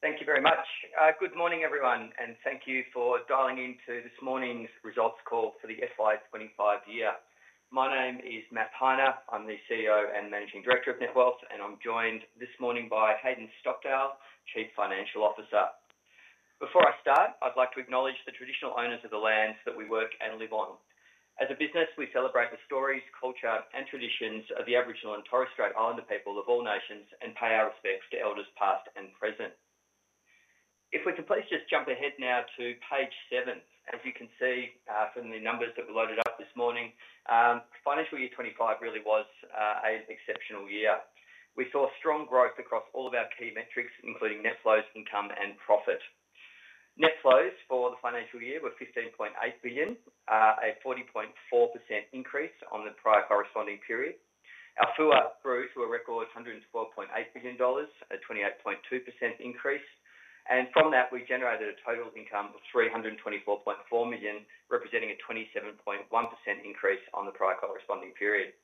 Thank you very much. Good morning everyone and thank you for dialing into this morning's results call for the FY25 year. My name is Matt Heine. I'm the CEO and Managing Director of Netwealth and I'm joined this morning by Hayden Stockdale, Chief Financial Officer. Before I start, I'd like to acknowledge the traditional owners of the lands that we work and live on as a business. We celebrate the stories, culture, and traditions of the Aboriginal and Torres Strait Islander people of all nations and pay our respects to elders past and present. If we could please just jump ahead now to page seven. As you can see from the numbers that we loaded up this morning, financial year 2025 really was an exceptional year. We saw strong growth across all of our key metrics, including net flows, income, and profit. Net flows for the financial year were $15.8 billion, a 40.4% increase on the prior corresponding period. Our FUA grew to a record $112.8 billion, a 28.2% increase. From that, we generated a total income of $324.4 million, representing a 27.1% increase on the prior corresponding period.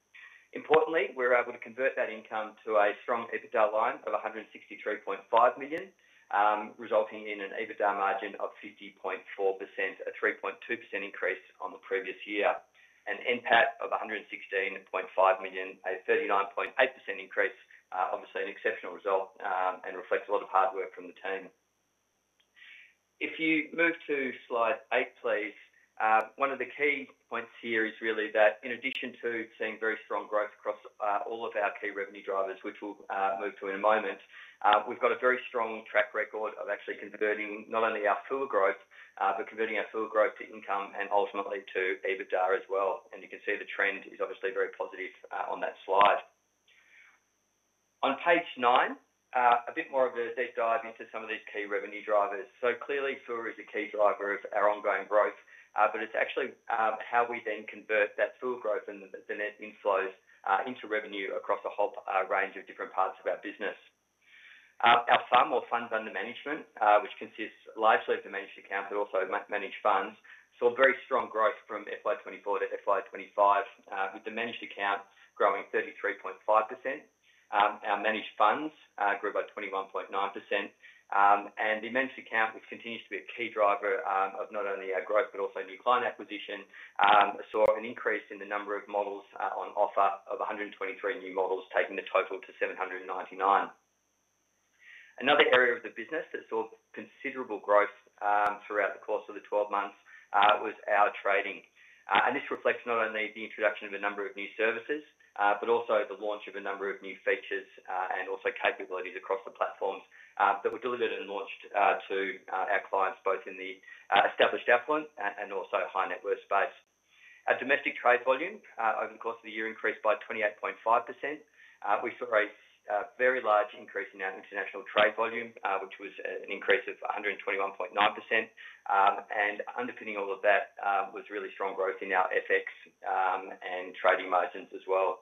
Importantly, we were able to convert that income to a strong EBITDA line of $163.5 million, resulting in an EBITDA margin of 50.4%, a 3.2% increase on the previous year, and NPAT of $116.5 million, a 39.8% increase. Obviously, an exceptional result and reflects a lot of hard work from the team. If you move to slide eight, please. One of the key points here is really that in addition to seeing very strong growth across all of our key revenue drivers, which we'll move to in a moment, we've got a very strong track record of actually converting not only our full growth, but converting our full growth to income and ultimately to EBITDA as well. You can see the trend is obviously very positive on that slide on page nine. A bit more of a deep dive into some of these key revenue drivers. Clearly, FUA is a key driver of our ongoing growth, but it's actually how we then convert that FUA growth and the net inflows into revenue across the whole range of different parts of our business. Our far more funds under management, which consists largely of the managed account, but also managed funds, saw very strong growth from FY24 to FY25, with the managed account growing 33.5%. Our managed funds grew by 21.9% and managed accounts, which continues to be a key driver of not only our growth but also new client acquisition, saw an increase in the number of models on offer of 123 new models, taking the total to 799. Another area of the business that saw considerable growth throughout the course of the 12 months was our trading, and this reflects not only the introduction of a number of new services but also the launch of a number of new features and capabilities across the platforms that were delivered and launched to our clients both in the established appointment and also high net worth space. Our domestic trade volume over the course of the year increased by 28.5%. We saw a very large increase in our international trading volumes, which was an increase of 121.9%. Underpinning all of that was really strong growth in our FX and trading margins as well.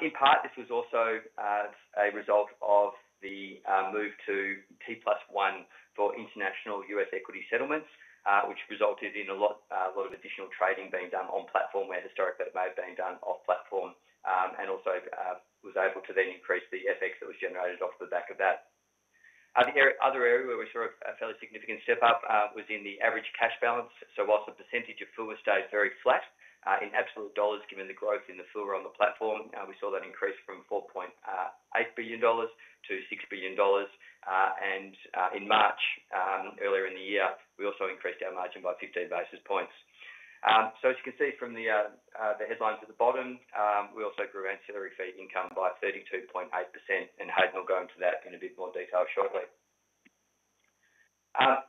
In part, this was also a result of the move to T+1 settlement for international U.S. equity settlements, which resulted in a lot of additional trading being done on platform where historically it may have been done off platform and also was able to then increase the FX that was generated off the back of that. The other area where we saw a fairly significant step up was in the average cash balance. Whilst the percentage of FUA stays very flat, in absolute dollars given the growth in the FUA on the platform, we saw that increase from $4.8 billion-$6 billion. In March, earlier in the year, we also increased our margin by 15 basis points. As you can see from the headlines at the bottom, we also grew ancillary fee income by 32.8%. Hayden will go into that in a bit more detail shortly.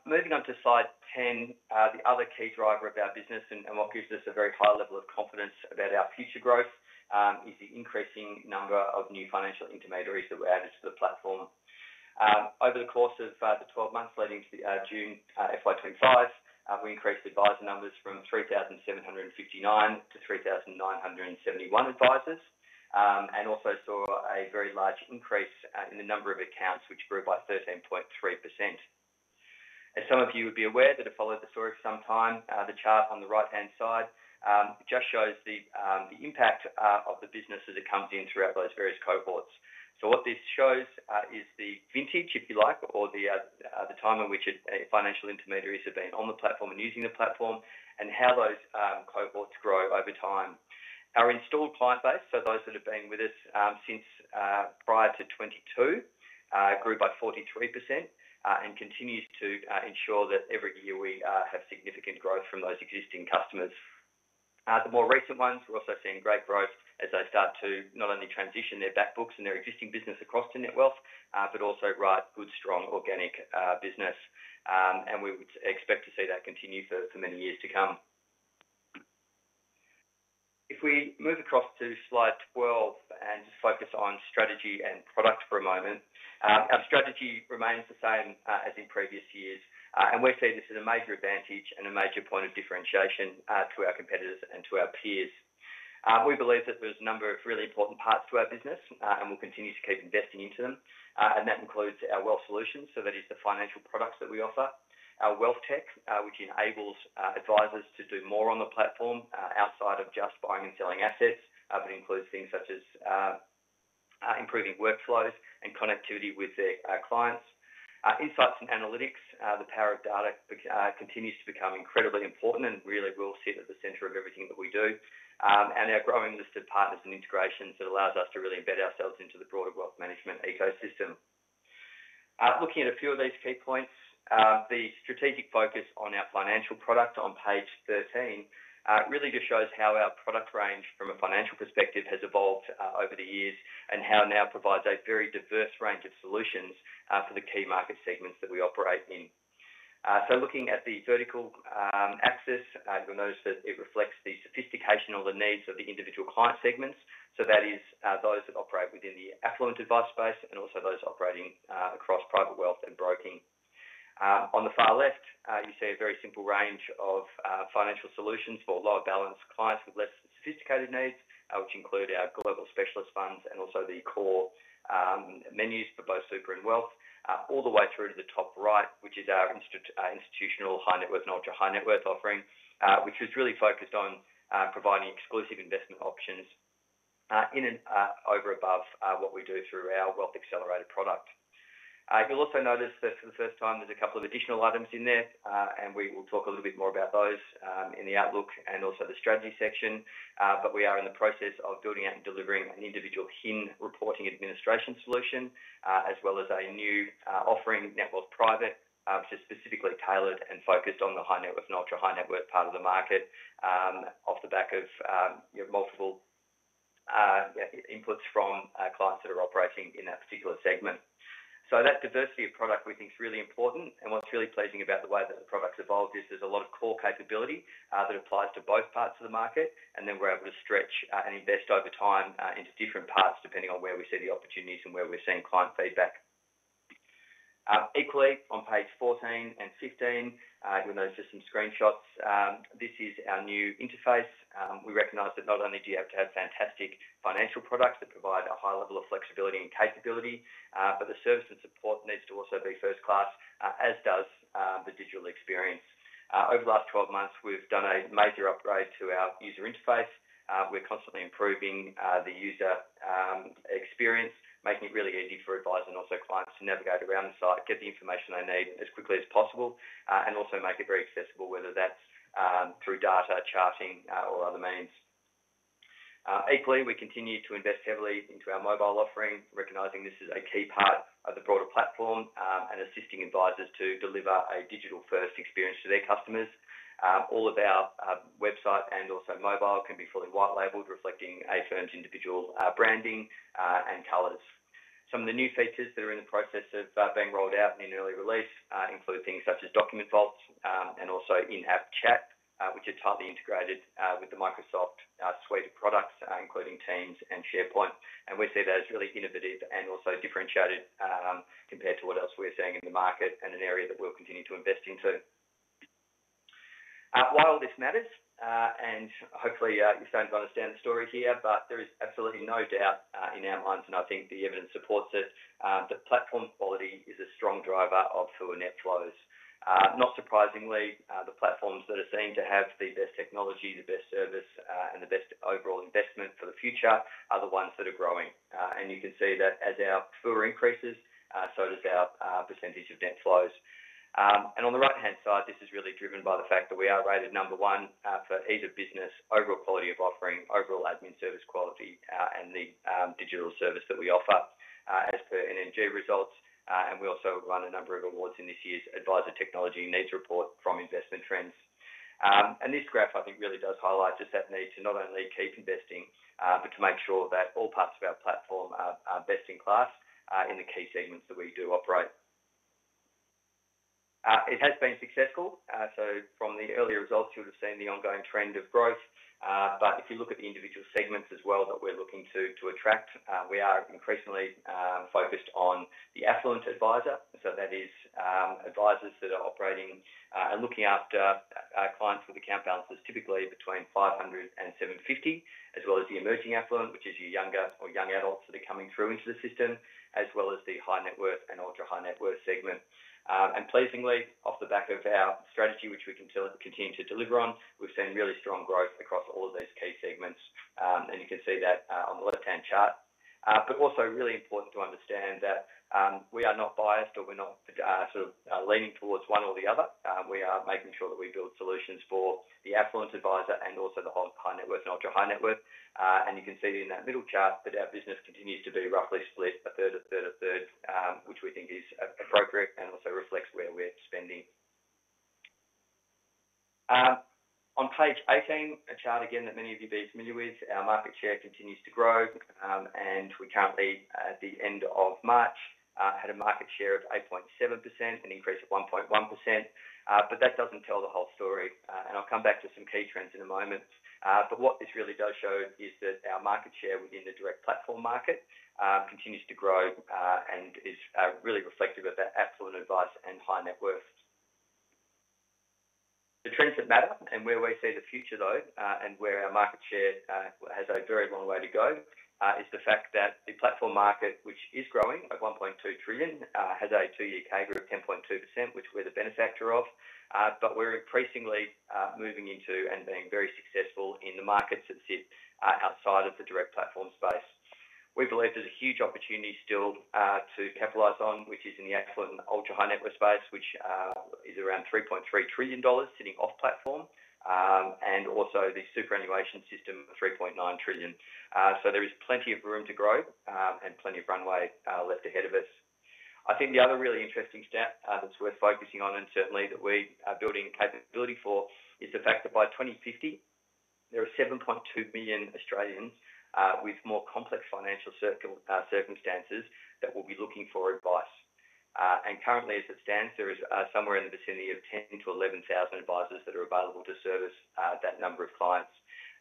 Moving on to slide 10. The other key driver of our business and what gives us a very high level of confidence about our future growth is the increasing number of new financial intermediaries that were added to the platform over the course of the 12 months leading to June FY25. We increased adviser numbers from 3,759 to 3,971 advisers and also saw a very large increase in the number of accounts, which grew by 13.3%. As some of you would be aware that have followed the story for some time, the chart on the right-hand side just shows the impact of the business as it comes in throughout those various cohorts. What this shows is the vintage, if you like, or the time in which financial intermediaries have been on the platform and using the platform and how those cohorts grow over time. Our installed client base, so those that have been with us since prior to 2022, grew by 43% and continues to ensure that every year we have significant growth from those existing customers. The more recent ones, we're also seeing great growth as they start to not only transition their back books and their existing business across to Netwealth, but also write good strong organic business, and we would expect to see that continue for many years to come. If we move across to slide 12 and focus on strategy and products for a moment. Our strategy remains the same as in previous years and we see this as a major advantage and a major point of differentiation to our competitors and to our peers. We believe that there's a number of really important parts to our business and we'll continue to keep investing into them and that includes our wealth solutions. That is the financial products that we offer, our WealthTech, which enables advisers to do more on the platform outside of just buying and selling assets, but includes things such as improving workflows and connectivity with their clients, insights and analytics. The power of data continues to become incredibly important and really will sit at the center of everything that we do and our growing listed partners and integrations that allow us to really embed ourselves into the broader wealth management ecosystem. Looking at a few of these key points, the strategic focus on our financial product on page 13 really just shows how our product range from a financial perspective has evolved over the years and how it now provides a very diverse range of solutions for the key market segments that we operate in. Looking at the vertical axis, you'll notice that it reflects the sophistication or the needs of the individual client segments. That is those that operate within the affluent advice space and also those operating across private wealth and broking. On the far left, you see a very simple range of financial solutions for lower balance clients with less sophisticated needs, which include our global specialist funds and also the core menus for both super and wealth, all the way through to the top right, which is our institutional high net worth and ultra-high-net-worth offering, which was really focused on providing exclusive investment options in and over above what we do through our Wealth Accelerated product. You'll also notice that for the first time there's a couple of additional items in there and we will talk a little bit more about those in the Outlook and also the Strategy section. We are in the process of building out and delivering an individual HIN reporting and administration solution as well as a new offering, Network Private, specifically tailored and focused on the high net worth and ultra-high-net-worth part of the market off the back of multiple inputs from clients that are operating in that particular segment. That diversity of product we think is really important. What's really pleasing about the way that the products evolved is there's a lot of core capability that applies to both parts of the market, and then we're able to stretch and invest over time into different parts, depending on where we see the opportunities and where we're seeing client feedback. Equally, on page 14 and 15, given those just some screenshots, this is our new interface. We recognize that not only do you have to have fantastic financial products that provide a high level of flexibility and capability, but the service and support need to also be first class, as does the digital experience. Over the last 12 months we've done a major upgrade to our user interface. We're constantly improving the user experience, making it really easy for advisers and also clients to navigate around the site, get the information they need as quickly as possible, and also make it very accessible, whether that's through data, charting, or other means. Equally, we continue to invest heavily into our mobile offering, recognizing this is a key part of the broader platform and assisting advisers to deliver a digital-first experience to their customers. All of our website and also mobile can be fully white labelled, reflecting each firm's individual branding and colors. Some of the new features that are in the process of being rolled out in early release include things such as document vaults and also in-app chat, which are tightly integrated with the Microsoft suite of products, including Teams and SharePoint. We see that as really innovative and also differentiated compared to what else we're seeing in the market and an area that we'll continue to invest into. While this matters, and hopefully you start to understand the story here, there is absolutely no doubt in our minds, and I think the evidence supports it, the platform quality is a strong driver of FUA net flows. Not surprisingly, the platforms that are seen to have the best technology, the best service, and the best overall investment for the future are the ones that are growing. You can see that as our FUA increases, so does our percentage of net flows. On the right-hand side, this is really driven by the fact that we are rated number one for ease of business, overall quality of offering, overall admin service quality, and the digital service that we offer as per NMG results. We also won a number of awards in this year's Adviser Technology Needs report from Investment Trends. This graph, I think, really does highlight just that need to not only keep investing, but to make sure that all parts of our platform are best in class in the key segments that we do operate. It has been successful. From the earlier results, you would have seen the ongoing trend of growth. If you look at the individual segments as well that we're looking to attract, we are increasingly focused on the affluent adviser. That is advisers that are operating and looking after clients with account balances typically between 500 and 750, as well as the emerging affluent, which is your younger or young adults that are coming through into the system, as well as the high-net-worth and ultra-high-net-worth segment. Pleasingly, off the back of our strategy, which we can continue to deliver on, we've seen really strong growth across all of these key segments and you can see that on the left-hand chart. It is also really important to understand that we are not biased or sort of leaning towards one or the other. We are making sure that we build solutions for the affluent adviser and also the high-net-worth and ultra-high-net-worth. You can see in that middle chart that our business continues to be roughly split a third, a third, a third, which we think is appropriate and also reflects where we're spending. On page 18, a chart again that many of you will be familiar with, our market share continues to grow and we currently, at the end of March, had a market share of 8.7%, an increase of 1.1%. That does not tell the whole story and I'll come back to some key trends in a moment. What this really does show is that our market share within the direct platform market continues to grow and is really reflective of that affluent advice and high-net-worth. The trends that matter where we see the future, though, and where our market share has a very long way to go is the fact that the platform market, which is growing at $1.2 trillion, has a two-year CAGR of 10.2%, which we're the benefactor of. We're increasingly moving into and being very successful in the markets that sit outside of the direct platform space. We believe there's a huge opportunity still to capitalize on, which is in the excellent ultra-high-net-worth space, which is around $3.3 trillion sitting off platform, and also the superannuation system, $3.9 trillion. There is plenty of room to grow and plenty of runway left ahead of us. I think the other really interesting stat that's worth focusing on and certainly that we are building capability for is the fact that by 2050 there are 7.2 million Australians with more complex financial circumstances that will be looking for advice. Currently, as it stands, there is somewhere in the vicinity of 10,000 to 11,000 advisers that are available to service that number of clients.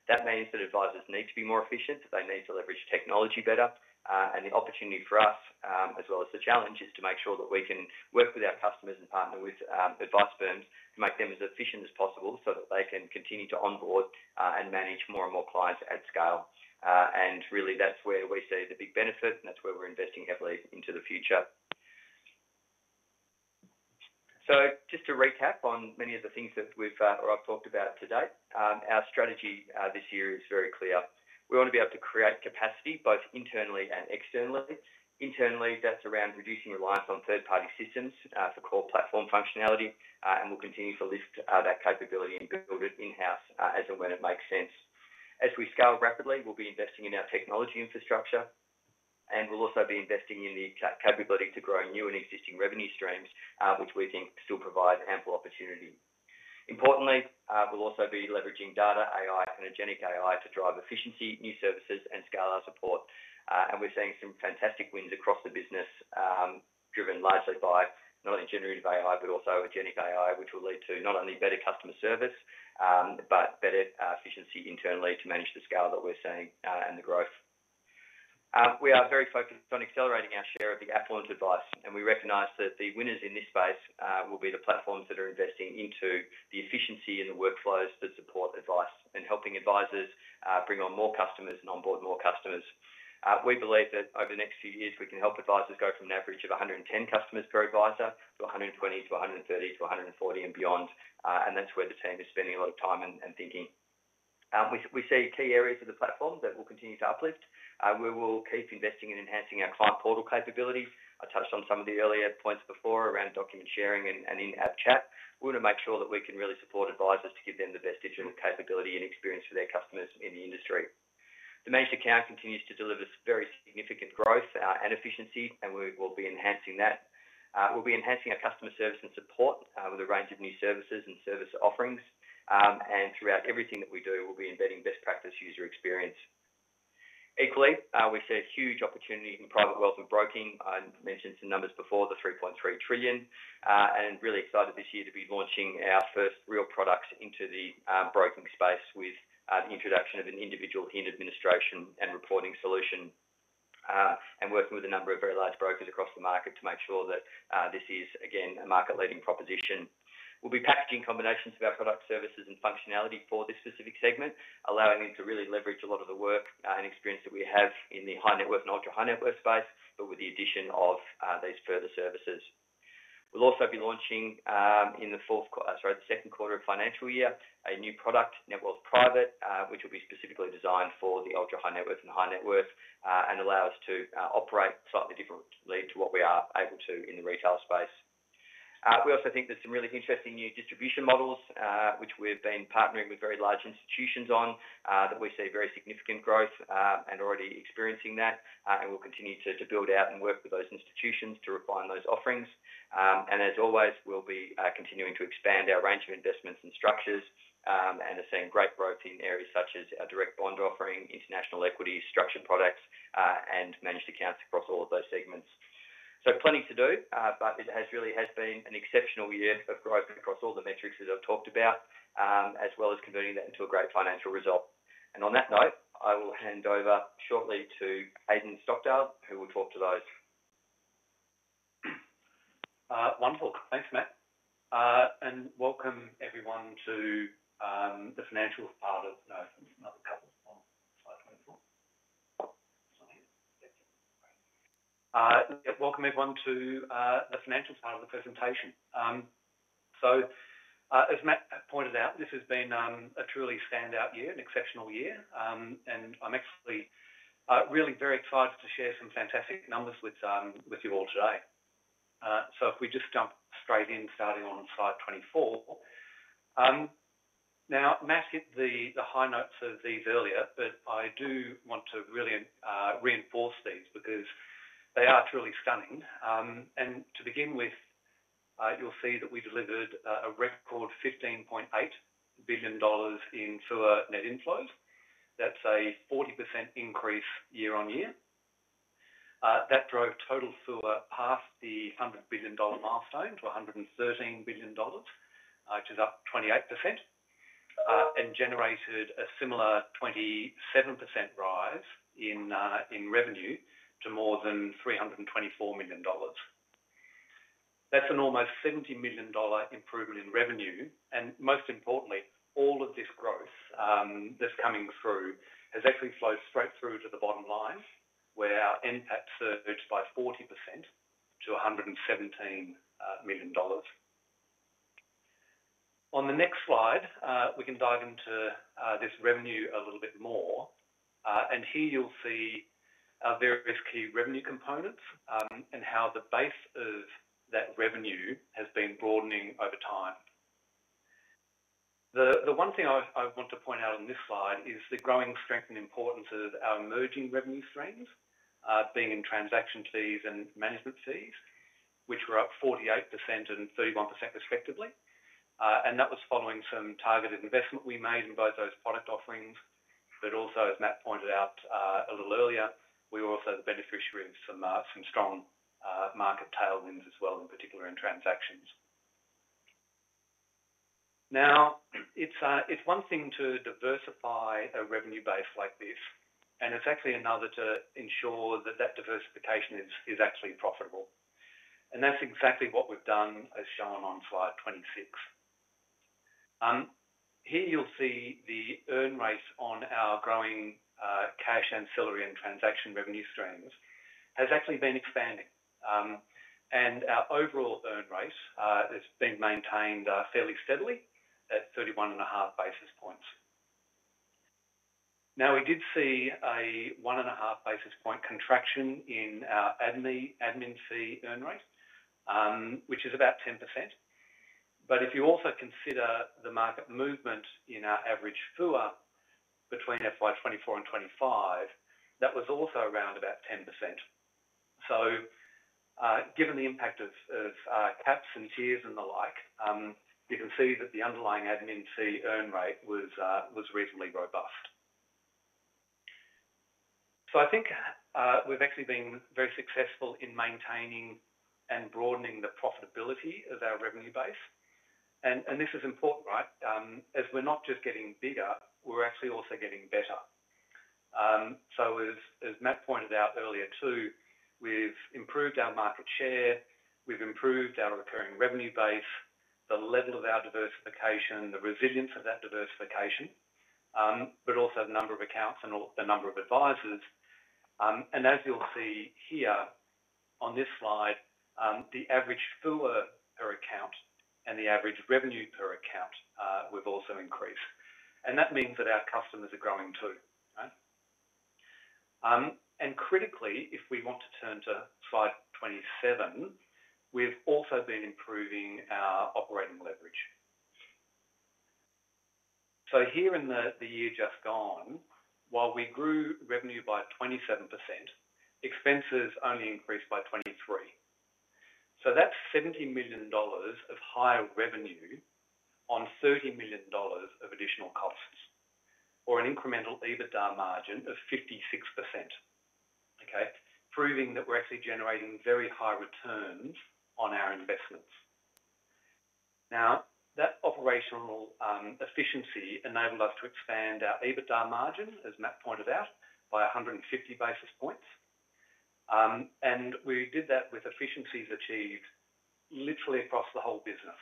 That means that advisers need to be more efficient, they need to leverage technology better. The opportunity for us as well as the challenge is to make sure that we can work with our customers and partner with advice firms, make them as efficient as possible so that they can continue to onboard and manage more and more clients at scale. Really, that's where we see the big benefit and that's where we're investing heavily into the future. Just to recap on many of the things that we've or I've talked about today, our strategy this year is very clear. We want to be able to create capacity both internally and externally. Internally, that's around reducing reliance on third-party systems for core platform functionality. We'll continue to lift that capability and build it in-house as and when it makes sense. As we scale rapidly, we'll be investing in our technology infrastructure and we'll also be investing in the capability to grow new and existing revenue streams, which we think still provide ample opportunity. Importantly, we'll also be leveraging data AI, generative AI to drive efficiency, new services, and scale our support. We're seeing some fantastic wins across the business driven largely by not only generative AI, but also agentic AI, which will lead to not only better customer service, but better efficiency internally. To manage the scale that we're seeing and the growth, we are very focused on accelerating our share of the affluent advice. We recognize that the winners in this space will be the platforms that are investing into the efficiency and the workflows that support advice and helping advisers bring on more customers and onboard more customers. We believe that over the next few years we can help advisers go from an average of 110 customers per adviser to 120 to 130 to 140 and beyond. That's where the team is spending a lot of time and thinking. We see key areas of the platform that will continue to uplift. We will keep investing in enhancing our client portal capabilities. I touched on some of the earlier points before around document sharing and in-app chat. We want to make sure that we can really support advisers to give them the best digital capability and experience for their customers in the industry. The managed account continues to deliver very significant growth and efficiency and we will be enhancing that. We'll be enhancing our customer service and support with a range of new services and service offerings. Throughout everything that we do, we'll be embedding best practice user experience. Equally, we see a huge opportunity in private wealth and broking. I mentioned some numbers before, the $3.3 trillion, and really excited this year to be launching our first real products into the broking space with the introduction of an individual HIN reporting and administration solution and working with a number of very large brokers across the market to make sure that this is again a market-leading proposition. We'll be packaging combinations of our product, services, and functionality for this specific segment, allowing you to really leverage a lot of the work and experience that we have in the high net worth and ultra-high-net-worth space. With the addition of these further services, we'll also be launching in the second quarter of financial year a new product, Netwealth Private, which will be specifically designed for the ultra-high-net-worth and high net worth and allow us to operate slightly differently to what we are able to in the retail space. We also think there's some really interesting new distribution models, which we've been partnering with very large institutions on, that we see very significant growth and already experiencing that, and we'll continue to build out and work with those institutions to refine those offerings. As always, we'll be continuing to expand our range of investments and structures and are seeing great growth in areas such as our direct bond offering, international equity, structured products, and managed accounts across all of those segments. There is plenty to do, but it really has been an exceptional year of growth across all the metrics that I've talked about, as well as converting that into a great financial result. On that note, I will hand over shortly to Hayden Stockdale who will talk to those. Thanks Matt and welcome everyone to the financial part of another couple slides 24. Welcome everyone to the financial side of the presentation. As Matt pointed out, this has been a truly standout year, an exceptional year and I'm actually really very excited to share some fantastic numbers with you all today. If we just jump straight in starting on slide 24. Now Matt hit the high notes of these earlier, but I do want to really reinforce these because they are truly stunning. To begin with, you'll see that we delivered a record $15.8 billion in FUA net inflows. That's a 40% increase year-on-year that drove total FUA past the $100 billion milestone to $113 billion, which is up 28% and generated a similar 27% rise in revenue to more than $324 million. That's an almost $70 million improvement in revenue and most importantly, all of this growth that's coming through has actually flowed straight through to the bottom line, where our NPAT surged by 40% to $117 million. On the next slide, we can dive into this revenue a little bit more. Here you'll see our various key revenue components and how the base of that revenue has been broadening over time. The one thing I want to point out on this slide is the growing strength and importance of our emerging revenue streams being in transaction fees and management fees, which were up 48% and 31% respectively. That was following some targeted investment we made in both those product offerings. Also, as Matt pointed out a little earlier, we were also the beneficiary of some strong market tailwinds as well, in particular in transactions. It's one thing to diversify a revenue base like this, and it's actually another to ensure that that diversification is actually profitable. That's exactly what we've done. As shown on slide 26, here you'll see the earn rates on our growing cash ancillary and transaction revenue streams has actually been expanded. Our overall earn rate has been maintained fairly steadily at 31.5 basis points. We did see a 1.5 basis point contraction in our admin fee earn rate, which is about 10%. If you also consider the market movement in our average FUA between FY24 and FY25, that was also around about 10%. Given the impact of caps and tiers and the like, you can see that the underlying admin fee earn rate was reasonably robust. I think we've actually been very successful in maintaining and broadening the profitability of our revenue base. This is important, right? As we're not just getting bigger, we're actually also getting better. As Matt pointed out earlier too, we've improved our market share, we've improved our recurring revenue base, the level of our diversification, the resilience of that diversification, but also the number of accounts and the number of advisers. As you'll see here on this slide, the average fuller account and the average revenue per account, we've also increased. That means that our customers are growing too. Critically, if we want to turn to slide 27, we've also been improving our operating leverage. Here in the year just gone, while we grew revenue by 27%, expenses only increased by 23%. That's $70 million of higher revenue on $30 million of additional costs or an incremental EBITDA margin of 56%. Okay. Proving that we're actually generating very high returns on our investments. Now, that operational efficiency enabled us to expand our EBITDA margin, as Matt pointed out, by 150 basis points. We did that with efficiencies achieved literally across the whole business.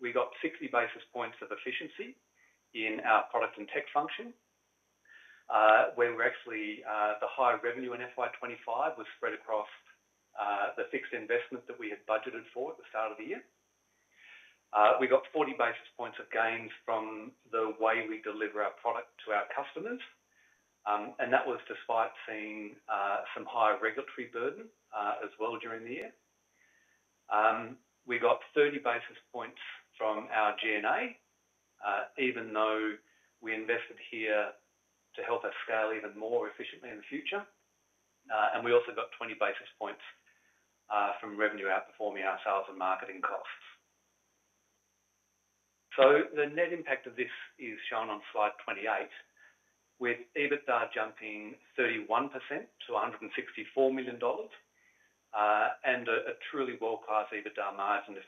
We got 60 basis points of efficiency in our product and tech function, where we're actually. The high revenue in FY25 was spread across the fixed investment that we had budgeted for at the start of the year. We got 40 basis points of gains from the way we deliver our product to our customers. That was despite seeing some higher regulatory burden as well. During the year, we got 30 basis points from our G&A, even though we invested here to help us scale even more efficiently in the future. We also got 20 basis points from revenue outperforming ourselves and marketing costs. The net impact of this is shown on slide 28 with EBITDA jumping 31% to $164 million and a truly world class EBITDA margin of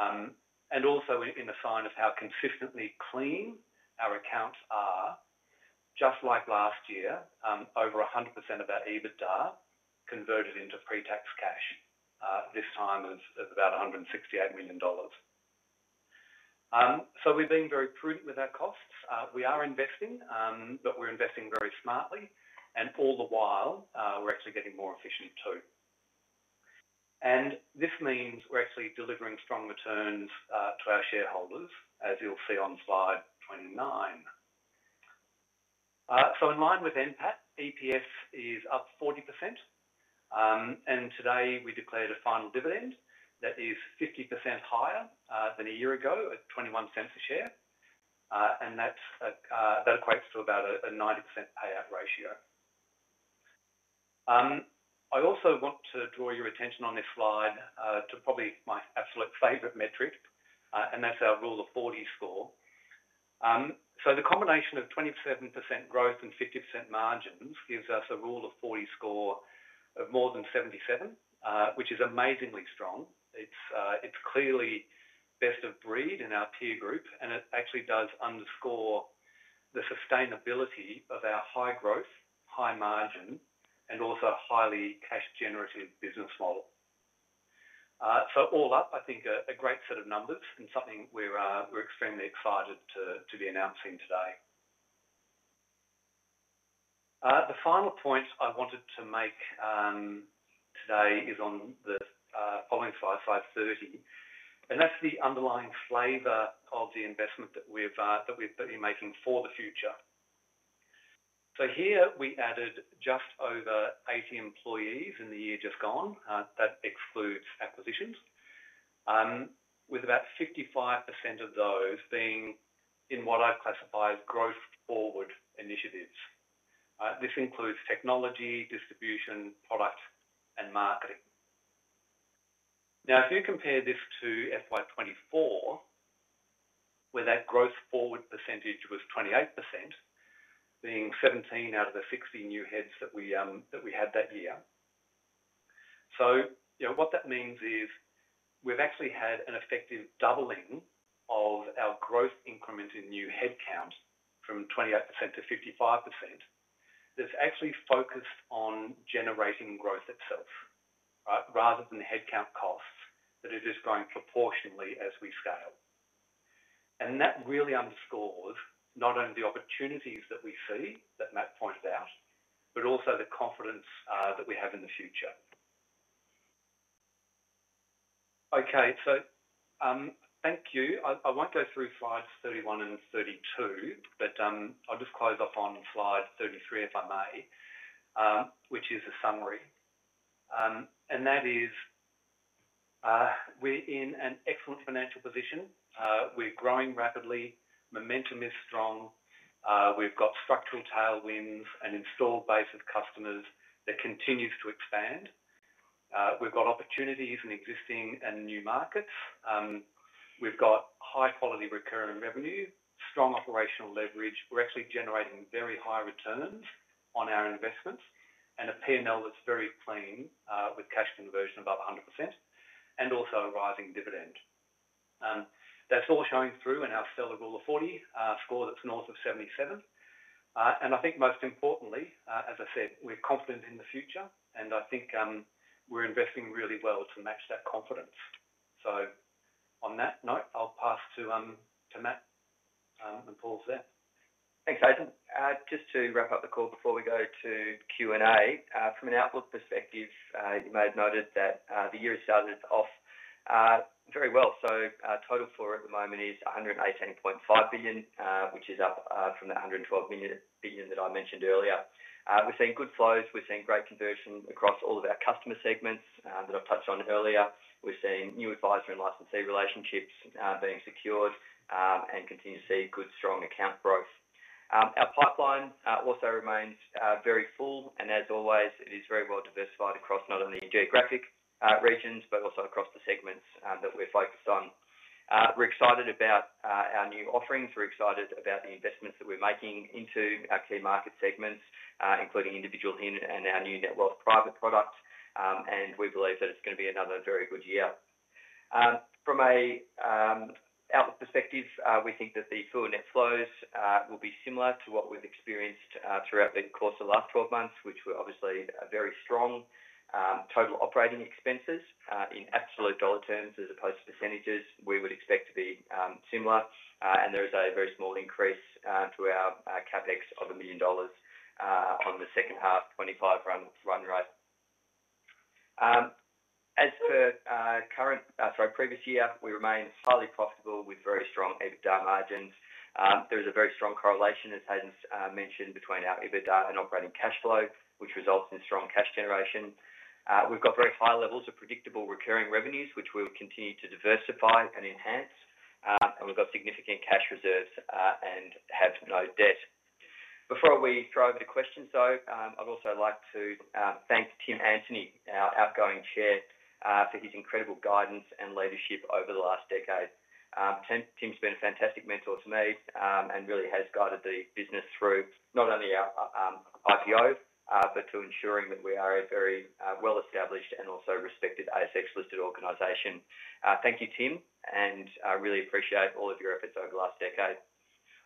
50.4%. Also, in a sign of how consistently clean our accounts are, just like last year, over 100% of our EBITDA converted into pre-tax cash, this time of about $168 million. We've been very prudent with our costs. We are investing, but we're investing very smartly. All the while we're actually getting more efficient too. This means we're actually delivering strong returns to our shareholders, as you'll see on slide 29. In line with NPAT, EPS is up 40%. Today we declared a final dividend that is 50% higher than a year ago at $0.21 a share. That equates to about a 90% payout ratio. I also want to draw your attention on this slide to probably my absolute favorite metric, and that's our Rule of 40 score. The combination of 27% growth and 50% margins gives us a rule of 40 score of more than 77, which is amazingly strong. It's clearly best of breed in our peer group. It actually does underscore the sustainability of our high growth, high margin and also highly cash generative business model. All up, I think a great set of numbers and something we're extremely excited to be announcing today. The final point I wanted to make today is on the following slide, slide 30. That's the underlying flavor of the investment that we've been making for the future. Here we added just over 80 employees in the year just gone. That excludes acquisitions with about 55% of those being in what I classify as growth forward initiatives. This includes technology, distribution, product, and marketing. Now, if you compare this to FY24, where that growth forward percentage was 28%, being 17 out of the 60 new heads that we had that year. What that means is we've actually had an effective doubling of our growth increment in new headcount from 28%-55%. That's actually focused on generating growth itself rather than headcount costs that are just growing proportionally as we scale. That really underscores not only the opportunities that we see that Matt pointed out, but also the confidence that we have in the future. Thank you. I might go through slides 31 and 32, but I'll just close off on slide 33 if I may, which is a summary. That is we're in an excellent financial position. We're growing rapidly. Momentum is strong. We've got structural tailwinds, an installed base of customers that continues to expand. We've got opportunities in existing and new markets. We've got high quality recurring revenue, strong operational leverage. We're actually generating very high returns on our investments. A P&L that's very clean, with cash conversion above 100% and also a rising dividend. That's all showing through in our sellable of 40 score. That's north of 77. I think, most importantly, as I said, we're confident in the future and I think we're investing really well to match that confidence. On that note, I'll pass to Matt Heine. Thanks, Hayden. Just to wrap up the call before we go to Q and A, from an outlook perspective, you may have noted that the year has started off very well. Total FUA at the moment is $118.5 billion, which is up from the $112 billion that I mentioned earlier. We're seeing good flows, we're seeing great conversion across all of our customer segments that I've touched on earlier. We're seeing new adviser and licensee relationships being secured and continue to see good, strong account growth. Our pipeline also remains very full and, as always, it is very well diversified across not only geographic regions, but also across the segments that we're focused on. We're excited about our new offerings. We're excited about the investments that we're making into our key market segments, including individual HIN and our new Netwealth Private product. We believe that it's going to be another very good year. From an outlook perspective, we think that the full net flows will be similar to what we've experienced throughout the course of the last 12 months, which were obviously very strong. Total operating expenses in absolute dollar terms, as opposed to percentages, we would expect to be similar and there is a very small increase to our CapEx of $1 million on the second half 2025 run rate. As for the previous year, we remain slightly profitable with very strong EBITDA margins. There is a very strong correlation, as Hayden mentioned, between our EBITDA and operating cash flow, which results in strong cash generation. We've got very high levels of predictable recurring revenues, which we'll continue to diversify and enhance, and we've got significant cash reserves and have no debt. Before we throw to questions, I'd also like to thank Tim Antonie, our outgoing Chair, for his incredible guidance and leadership over the last decade. Tim's been a fantastic mentor to me and really has guided the business through not only our IPO but to ensuring that we are a very well established and also respected ASX-listed organization. Thank you, Tim, and really appreciate all of your efforts over the last decade.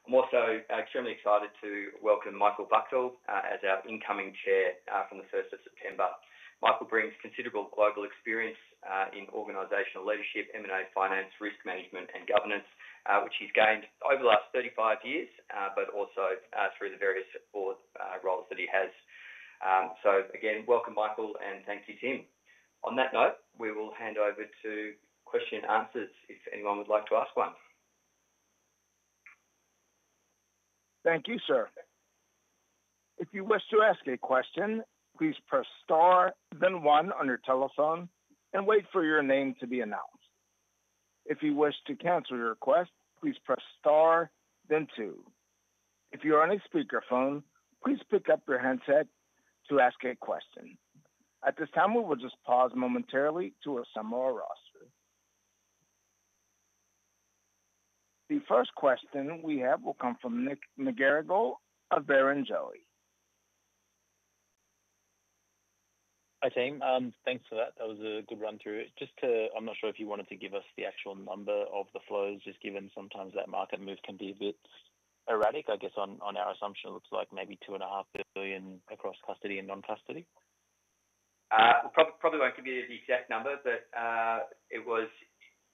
I'm also extremely excited to welcome Michael Wachtel as our incoming Chair from the 1st of September. Michael brings considerable global experience in organizational leadership, M&A, finance, risk management, and governance, which he's gained over the last 35 years, but also through the various board roles that he has. Again, welcome Michael and thank you, Tim. On that note, we will hand over to Question and Answers if anyone would like to ask one. Thank you, sir. If you wish to ask a question, please press star then one on your telephone and wait for your name to be announced. If you wish to cancel your request, please press star then two. If you are on a speakerphone, please pick up your handset to ask a question at this time. We will just pause momentarily to assemble our roster. The first question we have will come from Nick McGarrigle of Barrenjoey. Hi team, thanks for that. That was a good run through. Just to. I'm not sure if you wanted to give us the actual number of the flows just given. Sometimes that market move can be a bit erratic. I guess on our assumption, looks like maybe $2.5 billion across custody and non-custody. Probably won't give you the exact number, but it was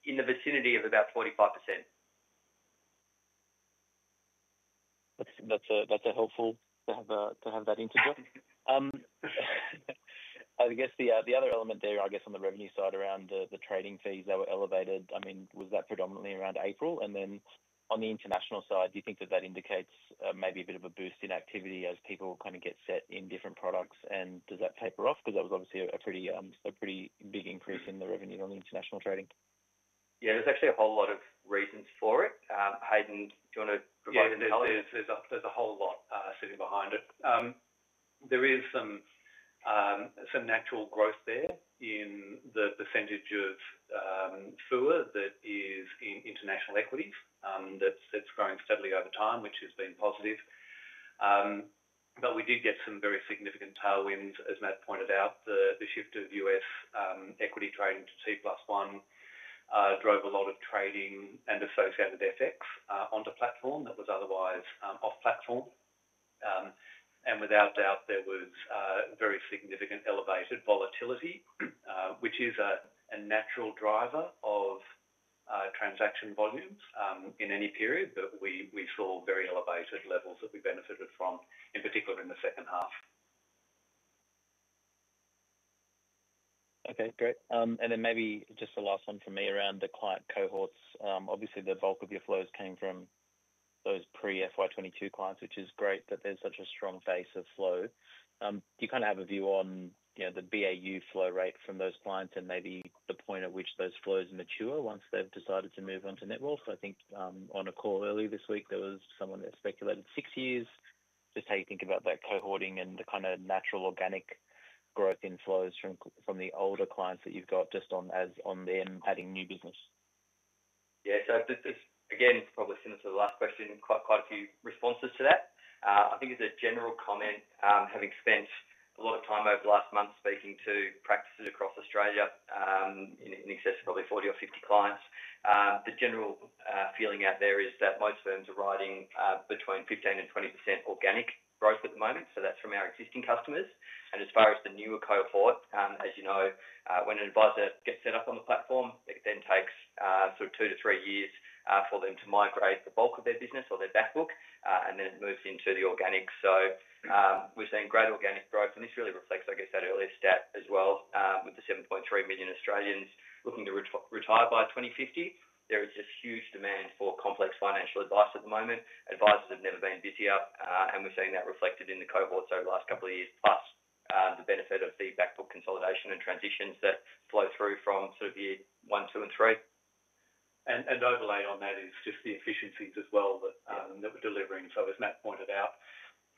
in the vicinity of about 45%. That's helpful to have that integer. I guess. The other element there, I guess on the revenue side around the trading fees that were elevated, was that predominantly around April? On the international side, do you think that that indicates maybe a bit of a boost in activity as people kind of get set in different products and does that taper off? Because that was obviously a pretty big increase in the revenue on the international trading. Yeah, there's actually a whole lot of reasons for it. Hayden, do you want to. There's a whole lot sitting behind it. There is some natural growth there in the percentage of FUA that is in international equities. That's growing steadily over time, which has been positive. We did get some very significant tailwinds. As Matt pointed out, the shift of U.S. equity trading to T+1 drove a lot of trading and associated FX onto platform that was otherwise off platform. Without doubt there was very significant elevated volatility, which is a natural driver of transaction volumes in any period. We saw very elevated levels that we benefited from in particular in the second half. Okay, great. Maybe just the last one for me, around the client cohorts. Obviously, the bulk of your flows came from those pre-FY22 clients, which is great that there's such a strong base of flow. Do you kind of have a view on the BAU flow rate from those clients and maybe the point at which those flows mature once they've decided to move on to Netwealth? I think on a call early this week, there was someone that speculated six years. Just how you think about that cohorting and the kind of natural organic growth inflows from the older clients that you've got, just on them adding new business? Yeah. This again is probably similar to the last question and quite a few responses to that. I think as a general comment, having spent a lot of time over the last month speaking to practices across Australia in excess of probably 40-50 clients, the general feeling out there is that most firms are riding between 15% and 20% organic growth at the moment. That's from our existing customers. As far as the newer cohort, as you know, when an adviser gets set up on the platform, it then takes sort of two to three years for them to migrate the bulk of their business or their back book, and then it moves into the organic. We're seeing great organic growth. This really reflects, I guess, that earlier stat as well with the 7.3 million Australians looking to retire by 2050, there is this huge demand for complex financial advice at the moment. Advisers have never been busier and we're seeing that reflected in the cohorts over the last couple of years, plus the benefit of feedback, book consolidation, and transitions that flow through from sort. Of the one, two, and three and overlay on that is just the efficiencies as well that we're delivering. As Matt pointed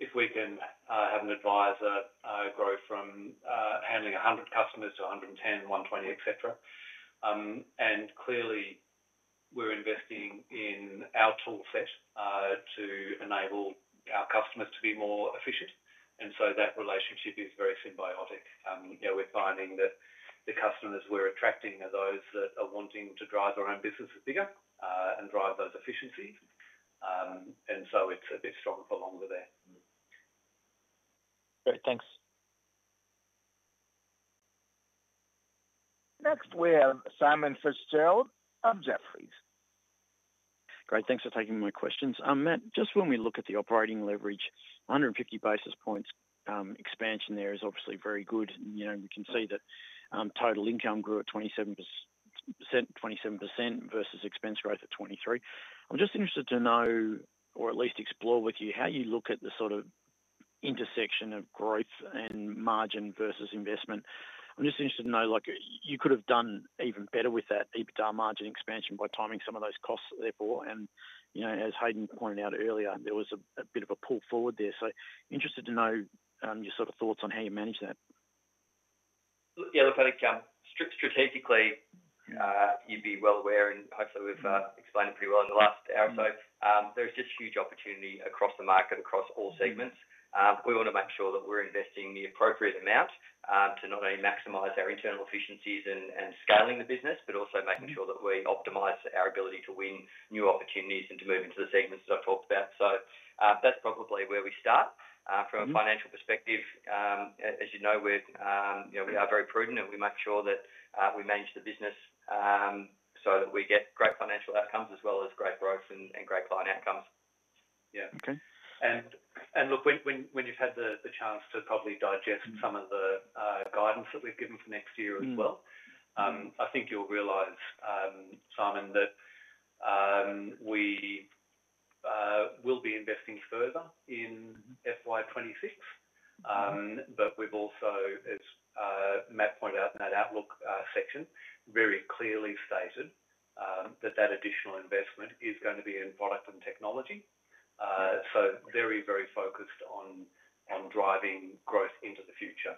out, if we can have an adviser grow from handling 100 customers to 110, 120, et cetera, we're investing in our tool set to enable our customers to be more efficient. That relationship is very symbiotic. We're finding that the customers we're attracting are those that are wanting to drive their own businesses bigger and drive those efficiencies. It's a bit stronger for longer there. Great, thanks. Next we have Simon Fitzgerald of Jefferies. Great, thanks for taking my questions, Matt. Just when we look at the operating leverage, 150 basis points expansion there is obviously very good. We can see that total income grew at 27% versus expense growth at 23%. I'm just interested to know, or at least explore with you how you look at the intersection of growth and margin versus investment? I'm just interested to know you could have done even better with that EBITDA margin expansion by timing some of those costs. Therefore, as Hayden pointed out earlier, there was a bit of a pull forward there. I'm interested to know your sort of thoughts on how you manage that? Yeah, look, I think strategically you'd be well aware and hopefully we've explained it pretty well in the last hour. There's just huge opportunity across the market, across all segments. We want to make sure that we're investing the appropriate amount to not only maximize our internal efficiencies and scaling the business, but also making sure that we optimize our ability to win new opportunities and to move into the segments that I've talked about. That's probably where we start from a financial perspective. As you know, we are very prudent and we make sure that we manage the business so that we get great financial outcomes as well as great growth and great client outcomes. Yeah. Okay. When you've had the chance to probably digest some of the guidance that we've given for next year as well, I think you'll realize, Simon, that we will be investing further in FY26. We've also, as Matt pointed out in that Outlook section, very clearly stated that that additional investment is going to be in product and technology. Very, very focused on driving growth into the future.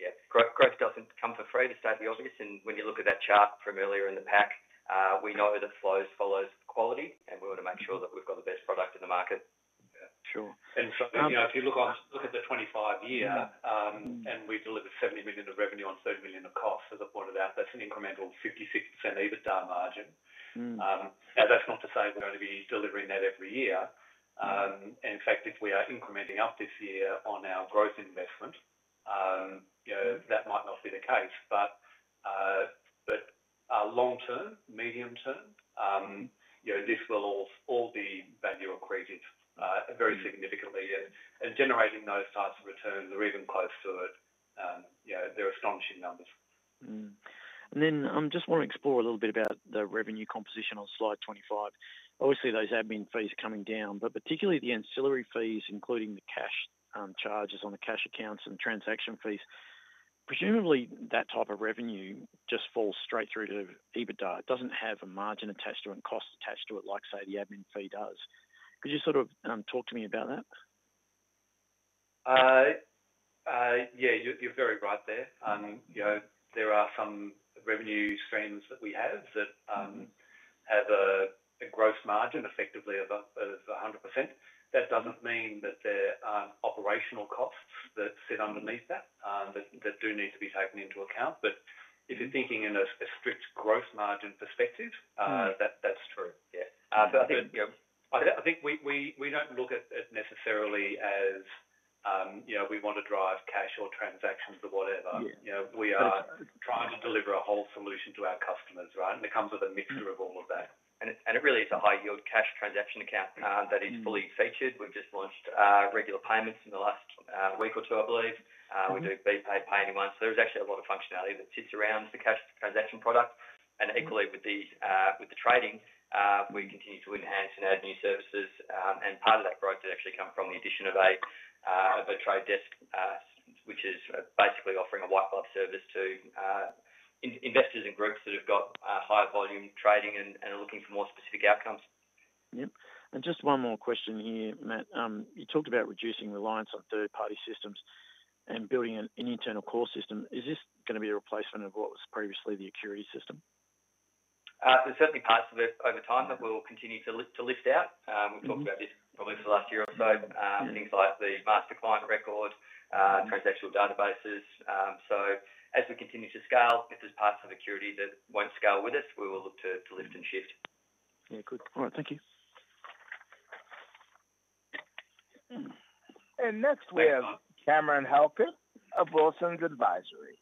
Yep. Growth doesn't come for free, to state the obvious. When you look at that chart from earlier in the package, we know that flows follow quality and we want to make sure that we've got the best product in the market. If you look at the 2025 year and we deliver $70 million of revenue on $30 million of costs, as I pointed out, that's an incremental 56% EBITDA margin. Now, that's not to say we're going. To be delivering that every year. In fact, if we are incrementing up this year on our growth investment. That might not be the case. Long term, medium term, this will all be value accretive very significantly and generating those types of returns or even close to it. They're astonishing numbers. I just want to explore a little bit about the revenue composition on slide 25. Obviously those admin fees are coming down, but particularly the ancillary fees, including the cash charges on the cash accounts and transaction fees. Presumably that type of revenue just falls straight through to EBITDA. It doesn't have a margin attached to it and cost attached to it like, say, the admin fee does. Could you sort of talk to me about that? Yeah, you're very right there. You know, there are some revenue streams that we have that have a gross margin effectively of 100%. That doesn't mean that there aren't operational costs that sit underneath that, that do need to be taken into account. If you're thinking in a strict gross margin perspective, that's true. I think we don't look at it necessarily as we want to drive cash or transactions or whatever. We are trying to deliver a whole solution to our customers, right? It comes with a mixture of all of that. It really is a high yield cash transaction account that is fully featured. We've just launched regular payments in the last week or two. I believe we do BPAY pay anyone? There's actually a lot of functionality that sits around the cash transaction product. Equally with the trading, we continue to enhance and add new services. Part of that growth did actually come from the addition of a trade desk, which is basically offering a white label service to investors and groups that have got high volume trading and are looking for more specific outcomes. Yep. Just one more question here. Matt, you talked about reducing reliance on third party systems and building an internal core system. Is this going to be a replacement of what was previously the [occuring] system? There's certainly parts of it over time that we'll continue to list out. We talked about this probably for the last year or so. Things like the master client record, transactional databases. As we continue to scale, if there's parts of the security that won't scale with us, we will look to lift and shift. Yeah, good. All right, thank you. Next we have Cameron Halkett of Wilsons Advisory.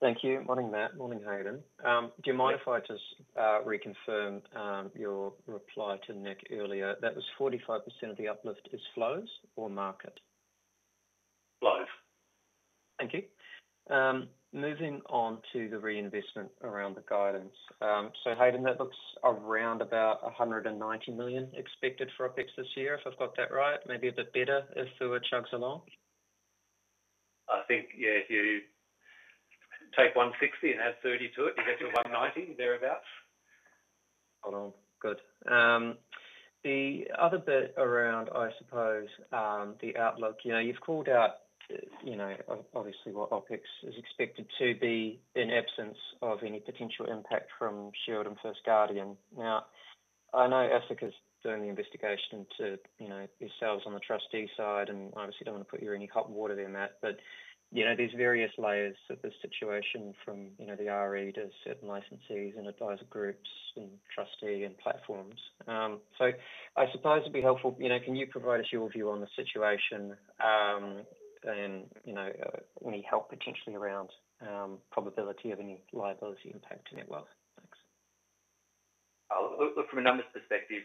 Thank you. Morning, Matt. Morning, Hayden. Do you mind if I just reconfirm your reply to Nick earlier? That was 45% of the uplift is flows or market? Flows. Thank you. Moving on to the reinvestment around the guidance. Hayden, that looks around about $190 million expected for OpEx this year if I'm right? Maybe a bit better if super chugs along, I think. Yeah, if you take $160 million and add $30 million to it, you get your $190 milllion thereabouts. Hold on. Good. The other bit around, I suppose the outlook, you've called out, you know, obviously, what OpEx is expected to. In absence of any potential impact from Sheridan First Guardian. Now I know ASIC is doing the investigation to yourselves on the trustee side and obviously don't want to put you in any hot water there, but there's various layers of the situation from the RE to certain licensees and adviser groups and trustee and platforms. I suppose it'd be helpful, can you provide us your view on the situation and any help potentially around probability of any liability impact to Netwealth? Thanks. Look, from a numbers perspective,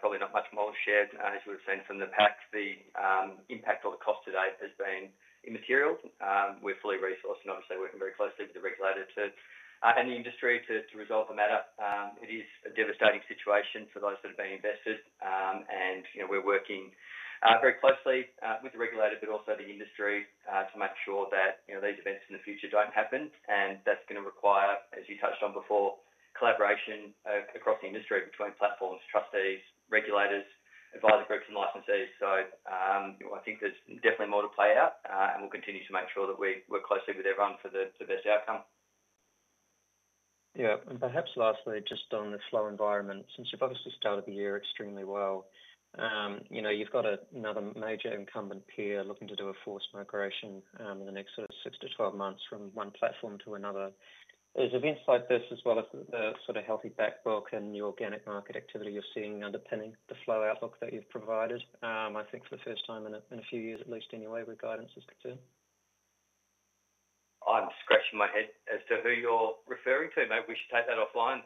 probably not much more to share, as we've seen from the pack, the impact or the cost to date has been immaterial. We're fully resourced and obviously working very closely with the regulator and the industry to resolve the matter. It is a devastating situation for those that have been investors and we're working very closely with the regulator but also the industry to make sure that these events in the future don't happen. That's going to require, as you touched on before, collaboration across the industry between platforms, trustees, regulators, adviser groups and licensees. I think there's definitely more to play out and we'll continue to make sure that we work closely with everyone for the best outcome. Yeah. Perhaps lastly, just on the flow environment, since you've obviously started the year extremely well, you know you've got another major incumbent peer looking to do a forced migration in the next six to 12 months from one platform to another. There are events like this as well as the sort of healthy backlog and the organic market activity you're seeing underpinning the flow outlook that you've provided, I think, for the first time in a few years at least anyway, where guidance is concerned. I'm scratching my head as to who you're referring to. Maybe we should take that offline.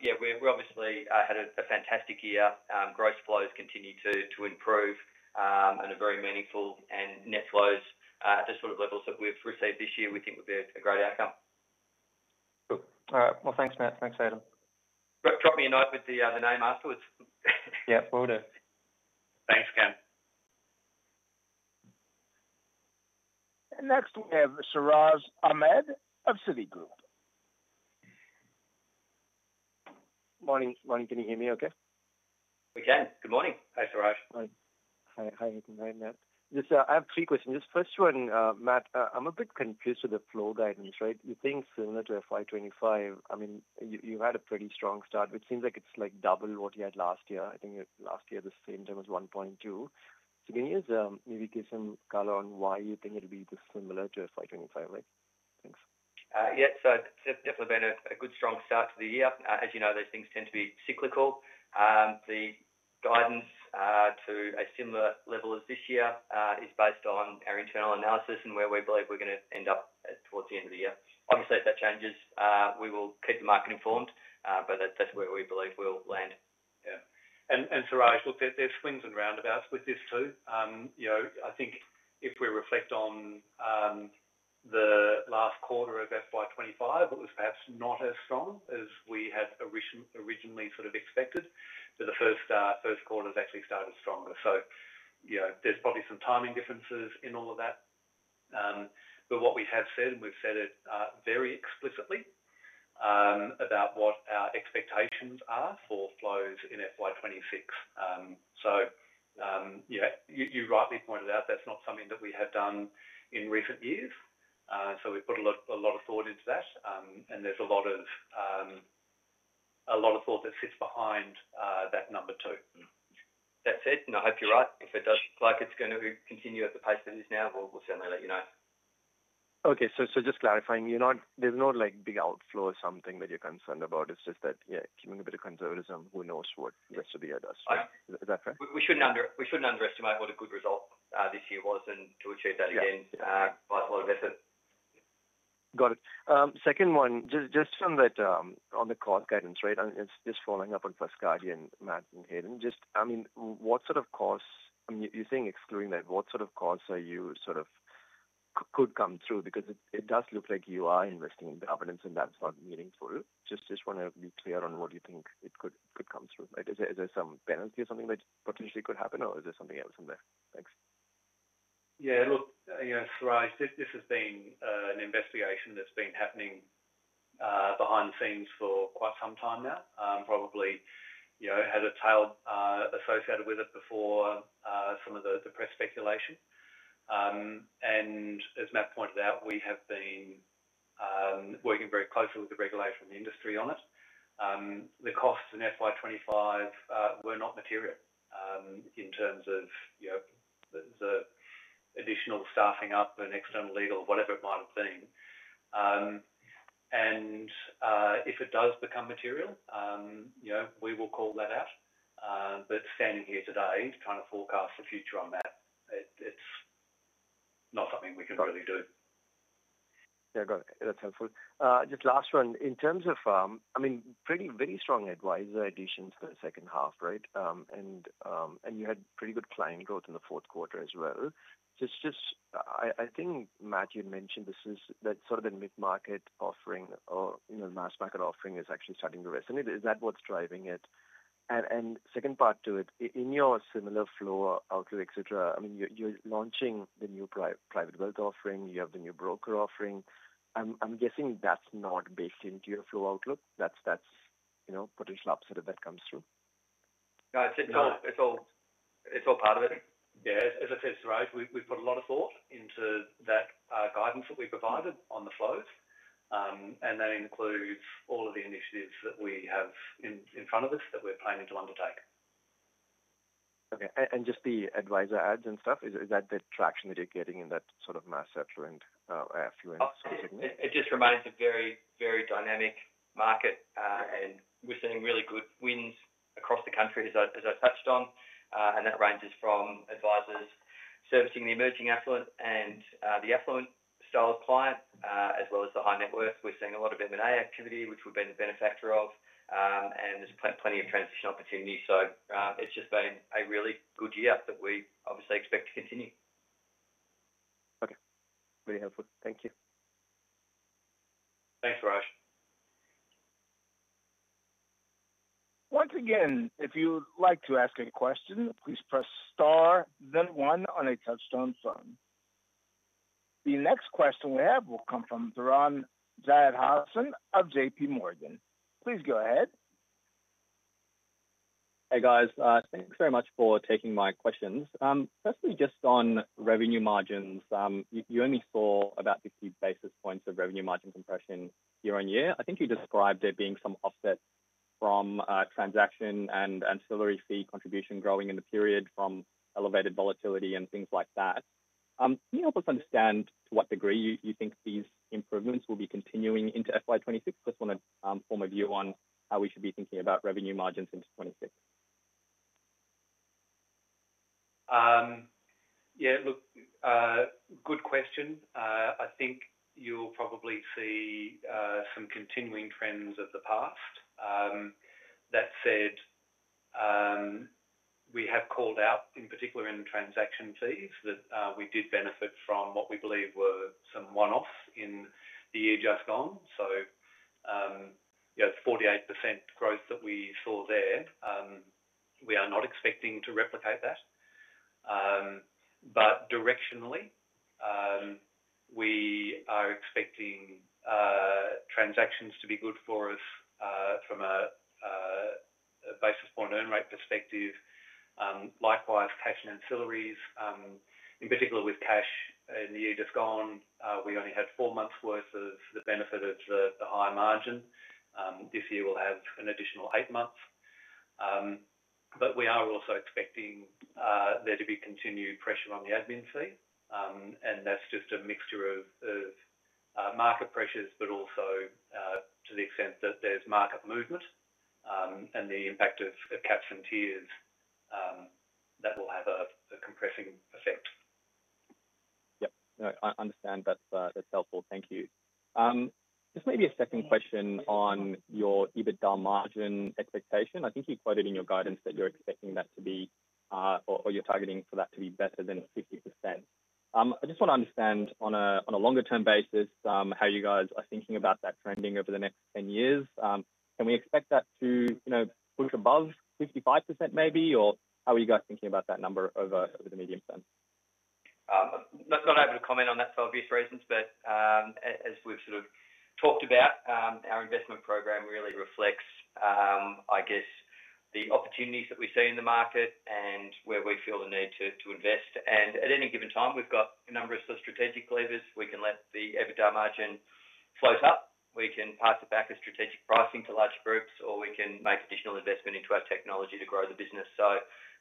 Yeah, we obviously had a fantastic year. Gross flows continue to improve and are very meaningful, and net flows at the sort of levels that we've received this year, we think would be a great outcome. All right, thanks, Matt. Thanks, Hayden. Drop me a note with the name afterwards. Yeah, will do. Thanks, Cam. Next we have Siraj Ahmed of Citigroup. Morning. Can you hear me okay? We can. Good morning. Hi, Siraj. Hi. Hi, Matt. I have three questions. This first one, Matt, I'm a bit confused. To the flow guidance, right, you think similar to FY25. I mean, you had a pretty strong start, which seems like it's like double what you had last year. I think last year the same time was $1.2 million. So can you maybe give some color on why you think it'll be similar to FY25? Thanks. Yeah, definitely been a good, strong start to the year. As you know, those things tend to be cyclical. The guidance to a similar level as this year is based on our internal analysis and where we believe we're going to end up towards the end of the year. Obviously, if that changes, we will keep the market informed, but that's where we believe we'll land. looked at it. There are swings and roundabouts with this, too. If we reflect on the last quarter of FY25, it was perhaps not as strong as we had originally sort of expected, while the first quarter actually started stronger. There are probably some timing differences in all of that, but what we have said, and we've said it very explicitly, is what our expectations are for flows in FY26. You rightly pointed out that's not something that we have done in recent years. We put a lot of thought into that, and there's a lot of thought that sits behind that number, too. That said, I hope you're right. If it does look like it's going to continue at the pace that it is now, we'll certainly let you know. Okay, so. You're not. There's no, like, big outflow or something that you're concerned about? It's just that. Yeah. Giving a bit of conservatism. Who knows what yesterday does. We shouldn't underestimate what a good result this year was. To achieve that, again, quite a lot of effort. Got it. Second one just on the court guidance. Right. It's just following up on fast Cardi and Matt and Hayden, just, I mean what sort of costs, I mean you're saying excluding that, what sort of costs are you sort of could come through because it does look like you are investing in governance and that's not meaningful. Just want to be clear on what you think it could, could come through. Right. Is there some penalty or something that potentially could happen or is there something else in there? Thanks. Yeah. Look, Siraj, this has been an investigation that's been happening behind the scenes for quite some time now. Probably, you know, had a tail associated with it before some of the press speculation, and as Matt pointed out, we have been working very closely with the regulator and the industry on it. The costs in FY25 were not material in terms of the additional staffing up and external legal, whatever it might have been. If it does become material, we will call that out. Standing here today trying to forecast the future on that, it's not something we could really do. Yeah, that's helpful. Just last one in terms of, I mean, very strong adviser additions for the second half, right? You had pretty good client growth in the fourth quarter as well. I think, Matt, you had mentioned this. Is that sort of the mid market offering or, you know, mass market offering is actually starting to resonate? Is that what's driving it? In your similar flow outlook, et cetera, you're launching the new Netwealth Private offering. You have the new broker offering. I'm guessing that's not based into your flow outlook. That's, you know, potential upside if that comes through. No, it's all part of it. Yeah, as I said, sure we've put a lot of thought into that guidance that we provided on the flows, and that includes all of the initiatives that we have in front of us that we're planning to undertake. Okay. Just the adviser ads and stuff, is that the traction that you're getting in that sort of mass? Excellent. Excuse me. It just reminds me, very, very dynamic market, and we're seeing really good wins across the country as I touched on. That ranges from advisers servicing the emerging affluent and the affluent style of client as well as the high net worth. We're seeing a lot of M&A activity, which we've been the benefactor of, and there's plenty of transition opportunities. It's just been a really good year that we obviously expect to continue. Okay, very helpful. Thank you. Thanks, Raj. Once again, if you would like to ask a question, please press star then one on a Touchstone phone. The next question we have will come from Tharan Jeyathasan of JPMorgan.Please go ahead. Hey guys, thanks very much for taking my questions. Firstly, just on revenue margins, you only saw about 50 basis points of revenue margin compression year-on-year. I think you described there being some offset from transaction and ancillary fee contribution growing in the period from elevated volatility and things like that. Can you help us understand to what degree you think these improvements will be continuing into FY26? Just want to form a view on how we should be thinking about revenue margins in FY26? Yeah, look, good question. I think you'll probably see some continuing trends of the past. That said, we have called out in particular in transaction fees that we did benefit from what we believe were some one offs in the year just gone. So it's 48% growth that we saw there. We are not expecting to replicate that, but directionally we are expecting transactions to be good for us from a basis for an earn rate perspective. Likewise, cash and ancillaries in particular. With cash in the year just gone, we only had four months worth of the benefit of the higher margin. This year we'll have an additional eight months. We are also expecting there to be continued pressure on the admin fee. That's just a mixture of market pressures. Also, to the extent that there's market movement and the impact of caps and tiers, that will have a compressing effect. Yep, I understand that. That's helpful, thank you. Just maybe a second question on your EBITDA margin expectation. I think you quoted in your guidance that you're expecting that to be, or you're targeting for that to be, better than 50%. I just want to understand, on a longer term basis, how you guys are thinking about that trending over the next 10 years? Can we expect that to, you know, push above 55% maybe? How are you guys thinking about that number over the medium term? Not able to comment on that for obvious reasons. As we've sort of talked about, our investment program really reflects, I guess, the opportunities that we see in the market and where we feel the need to invest. At any given time we've got a number of strategic levers. We can let the EBITDA margin float up, we can pass it back as strategic pricing to large groups, or we can make additional investment into our technology to grow the business.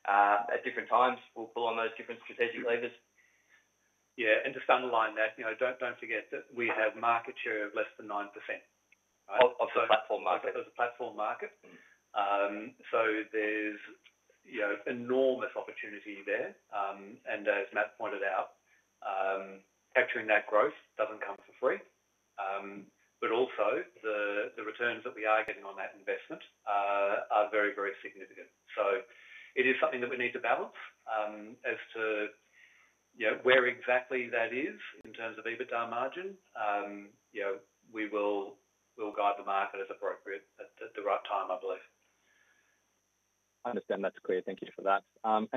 At different times we'll pull on those different strategic levers. Yeah, and just underline that. You know, don't forget that we have market share of less than 9% of the platform market. Of the platform market. There's enormous opportunity there. As Matt pointed out, capturing that growth doesn't come for free. The returns that we are getting on that investment are very, very significant. It is something that we need to balance as to where exactly that is in terms of EBITDA margin. We will guide the market as appropriate at the right time, I believe. Understand. That's clear. Thank you for that.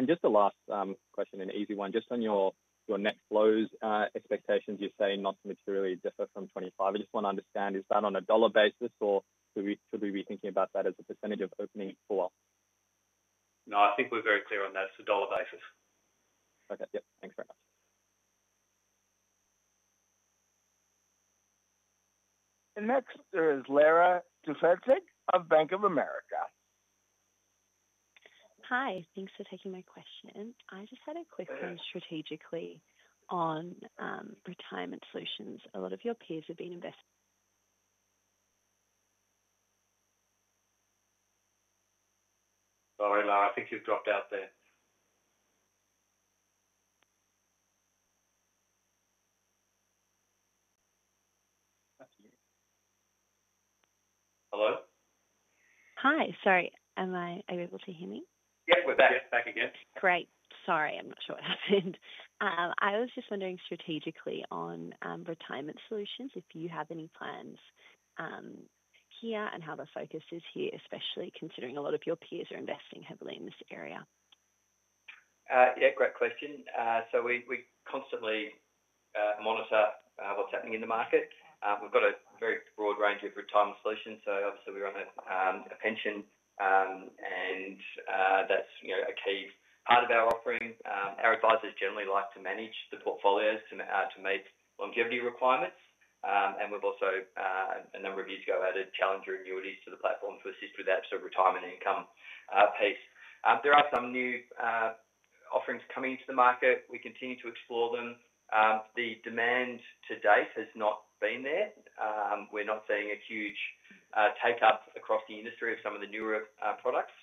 Just the last question, an easy one. Just on your net flows expectations, you say not to materially differ from 2025. I just want to understand, is that on a dollar basis or should we be thinking about that as a percentage of opening FUA? No, I think we're very clear on that. It's a dollar basis. Okay, yeah. Thanks very much. Next, there is Lara Tufegdzic of Bank of America. Hi, thanks for taking my question. I just had a question. Strategically, on retirement solutions, a lot of your peers have been investing. Sorry, Lara, I think you've dropped out there. Hello? Hi. Sorry, are you able to hear me? Yes, we're back again. Great. Sorry, I'm not sure what happened. I was just wondering strategically on retirement solutions, if you have any plans here and how the focus is here, especially considering a lot of your peers are investing heavily in this area? Yeah, great question. We constantly monitor what's happening in the market. We've got a very broad range of retirement solutions. Obviously, we run a pension and that's a key part of our offering. Our advisers generally like to manage the portfolios to meet longevity requirements. We also, a number of years ago, added Challenger annuities to the platform to assist with that sort of retirement income piece. There are some new offerings coming into the market. We continue to explore them. The demand to date has not been there. We're not seeing a huge take up across the industry of some of the newer products.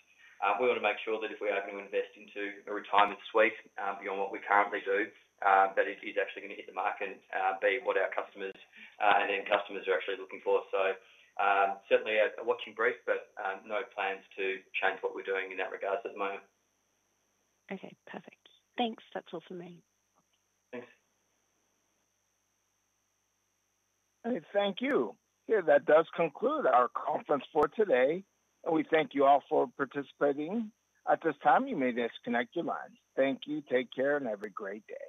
We want to make sure that if we are going to invest into a retirement suite beyond what we currently do, that it is actually going to hit the mark and be what our customers and end customers are actually looking for. Certainly a watching brief, but no plans to change what we're doing in that regard at the moment. Okay, perfect. Thanks. That's all for me. Thanks. Thank you. That does conclude our conference for today. We thank you all for participating. At this time, you may disconnect your lines. Thank you. Take care and have a great day.